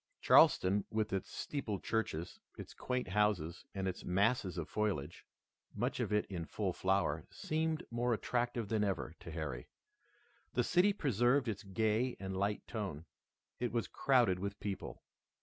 Charleston, with its steepled churches, its quaint houses, and its masses of foliage, much of it in full flower, seemed more attractive than ever to Harry. The city preserved its gay and light tone. It was crowded with people.